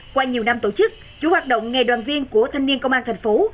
qua nhiều năm tổ chức chủ hoạt động ngày đoàn viên của thanh niên công an thành phố